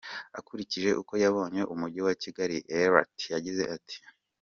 Akurikije uko yabonye Umujyi wa Kigali, Ellert yagize ati.